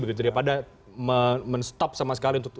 begitu daripada men stop sama sekali untuk penipu